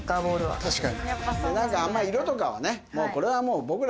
確かに。